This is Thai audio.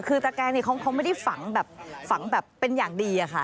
คือตะแกงเขาไม่ได้ฝังแบบฝังแบบเป็นอย่างดีอะค่ะ